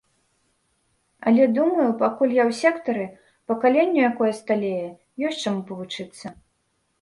Але думаю, пакуль я ў сектары, пакаленню, якое сталее, ёсць чаму павучыцца.